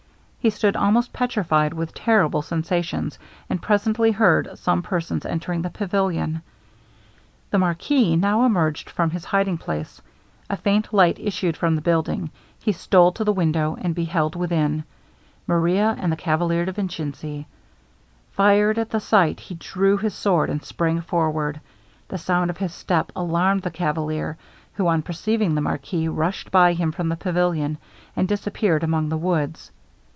He stood almost petrified with terrible sensations, and presently heard some persons enter the pavilion. The marquis now emerged from his hiding place; a faint light issued from the building. He stole to the window, and beheld within, Maria and the Cavalier de Vincini. Fired at the sight, he drew his sword, and sprang forward. The sound of his step alarmed the cavalier, who, on perceiving the marquis, rushed by him from the pavilion, and disappeared among the woods.